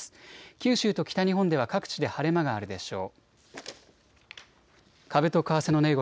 九州と北日本では各地で晴れ間があるでしょう。